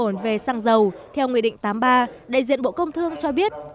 quỹ bình ổn về xăng dầu theo nguyện định tám ba đại diện bộ công thương cho biết